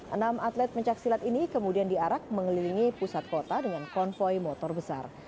enam atlet pencaksilat ini kemudian diarak mengelilingi pusat kota dengan konvoy motor besar